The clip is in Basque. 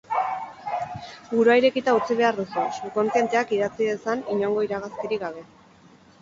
Burua irekita utzi behar duzu, subkontzienteak idatzi dezan, inongo iragazkirik gabe.